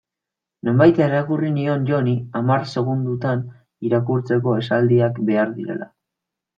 Nonbait irakurri nion Joni hamar segundotan irakurtzeko esaldiak behar direla.